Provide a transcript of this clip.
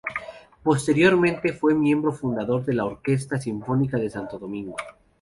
Posteriormente, fue miembro fundador de la Orquesta Sinfónica de Santo Domingo.